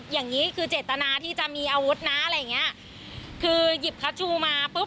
อย่างงี้คือเจตนาที่จะมีอาวุธนะอะไรอย่างเงี้ยคือหยิบคัชชูมาปุ๊บ